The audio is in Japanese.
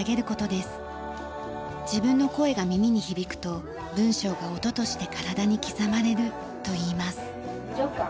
自分の声が耳に響くと文章が音として体に刻まれるといいます。